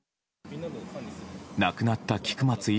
亡くなった菊松１